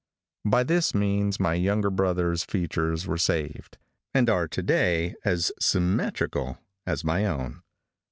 By this means my younger brother's features were saved, and are to day as symmetrical as my own.